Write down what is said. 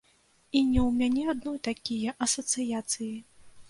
І не ў мяне адной такія асацыяцыі.